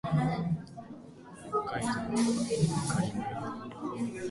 北海道真狩村